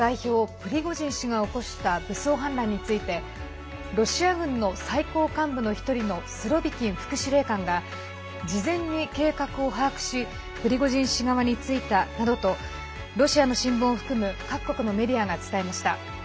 プリゴジン氏が起こした武装反乱についてロシア軍の最高幹部の１人のスロビキン副司令官が事前に計画を把握しプリゴジン氏側についたなどとロシアの新聞を含む各国のメディアが伝えました。